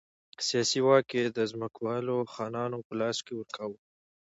سیاسي واک یې د ځمکوالو خانانو په لاس کې ورکاوه.